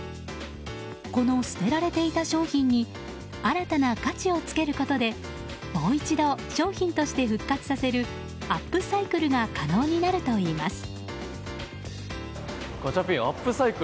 この捨てられていた商品に新たな価値をつけることでもう一度商品として復活させるアップサイクルが可能になるといいます。